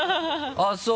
あっそう。